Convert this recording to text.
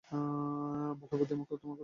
ভালো বুদ্ধি, আমি তোমাকে উৎসর্গ করছি!